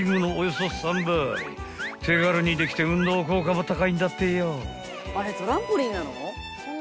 ［手軽にできて運動効果も高いんだってよ］